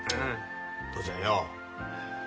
父ちゃんよお。